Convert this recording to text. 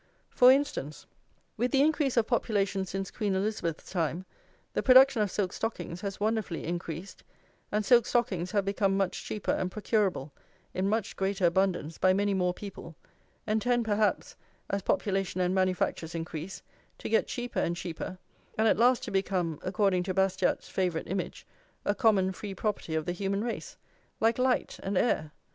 For instance, with the increase of population since Queen Elizabeth's time the production of silk stockings has wonderfully increased, and silk stockings have become much cheaper and procurable in much greater abundance by many more people, and tend perhaps, as population and manufactures increase, to get cheaper and cheaper, and at last to become, according to Bastiat's favourite image, a common free property of the human race, like light and air.